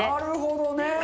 なるほどね。